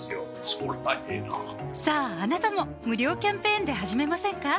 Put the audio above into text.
そりゃええなさぁあなたも無料キャンペーンで始めませんか？